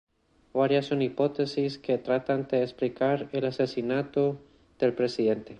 Varias son las hipótesis que tratan de explicar el asesinato del presidente.